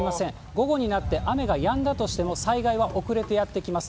午後になって雨がやんだとしても、災害は遅れてやって来ます。